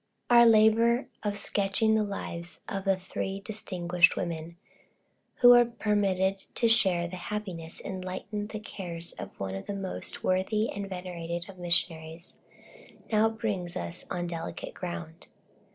Our labor of sketching the lives of the three distinguished women who were permitted to share the happiness and lighten the cares of one of the most worthy and venerated of missionaries, now brings us on delicate ground.